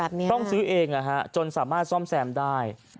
ต้องซื้อเองจนสามารถซ่อมแซมได้